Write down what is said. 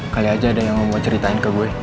kali aja ada yang mau ceritain ke gue